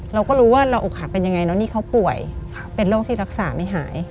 เราก็รู้ว่าเราอกหักเป็นยังไงแล้วนี่เขาป่วยเป็นโรคที่รักษาไม่หาย